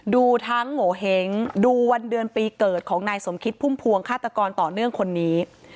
ดูทั้งโงเห้งดูวันเดือนปีเกิดของนายสมคิดพุ่มพวงฆาตกรต่อเนื่องคนนี้